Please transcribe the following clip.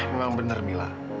memang benar milla